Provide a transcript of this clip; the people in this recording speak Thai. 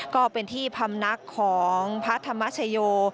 ก็เป็นที่พำนักของพระธรรมชโย